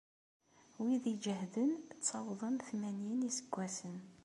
Wid iǧehden ttawḍen tmanyin n yiseggasen.